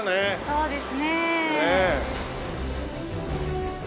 そうですね。